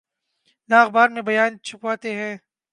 نہ اخبار میں بیان چھپواتے ہیں۔